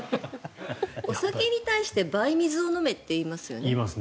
お酒に対して倍、水を飲めって言いますよね。